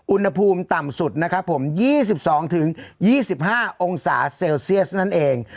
อุณหภูมิต่ำสุดนะครับผมยี่สิบสองถึงยี่สิบห้าองสาเซลเซียสนั่นเอง